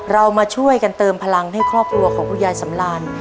เรามาช่วยกันเติมพลังให้ครอบครัวของคุณยายสำราน